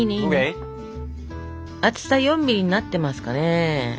厚さ４ミリになってますかね。